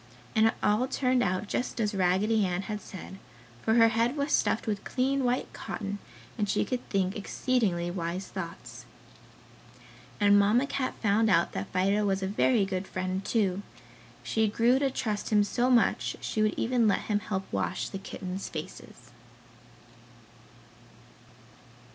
And it all turned out just as Raggedy Ann had said, for her head was stuffed with clean white cotton, and she could think exceedingly wise thoughts. And Mamma Cat found out that Fido was a very good friend, too. She grew to trust him so much she would even let him help wash the kittens' faces.